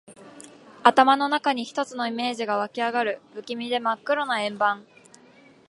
頭の中に一つのイメージが湧きあがる。不気味で真っ黒な円盤。